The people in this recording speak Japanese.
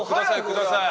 ください。